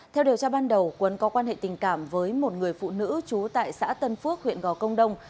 theo điều tra ban đầu quấn có quan hệ tình cảm với một người phụ nữ trú tại xã tân phước huyện gò công đông